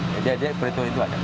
jadi ada perintah itu aja